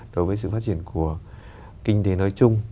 đối với sự phát triển của kinh tế nói chung